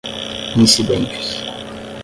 incidentes